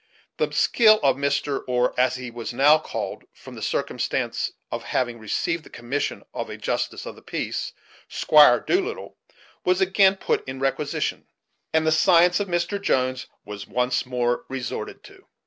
The skill of Mr., or, as he was now called, from the circumstance of having received the commission of a justice of the peace, Squire Doolittle, was again put in requisition; and the science of Mr. Jones was once more resorted to.